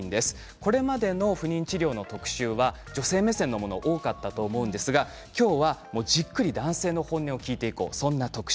これまでの不妊治療の特集は女性目線のものが多かったと思うんですが、今日はじっくり男性の本音を聞いていこう、そんな特集。